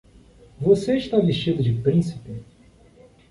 Você está vestido de príncipe?